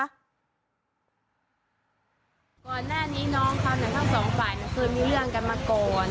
ก่อนหน้านี้น้องเขาทั้งสองฝ่ายเคยมีเรื่องกันมาก่อน